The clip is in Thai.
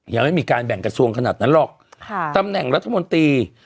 ยังไม่มีการแบ่งกระทรวงขนาดนั้นหรอกค่ะตำแหน่งรัฐมนตรี